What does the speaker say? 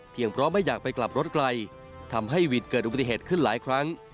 เพราะไม่อยากไปกลับรถไกลทำให้วิทย์เกิดอุบัติเหตุขึ้นหลายครั้ง